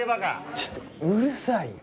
ちょっとうるさいよ。